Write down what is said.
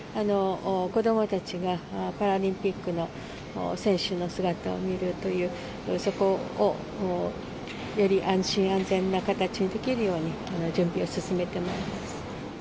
子どもたちがパラリンピックの選手の姿を見るという、そこをより安心安全な形にできるように、準備を進めてまいります。